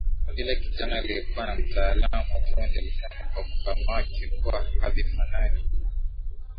Yule kijana aliyekuwa na mtaalamu wa ufundi alisema kwa kuhamaki kuwa havifanani